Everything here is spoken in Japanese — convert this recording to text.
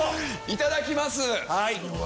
いただきます！